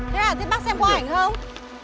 thế hả thế bác xem có ảnh không